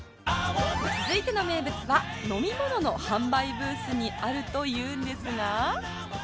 続いての名物は飲み物の販売ブースにあるというんですが